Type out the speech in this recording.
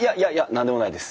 何でもないです。